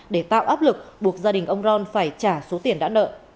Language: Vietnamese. để tạo áp lực buộc gia đình ông ron phải trả số tiền đã nợ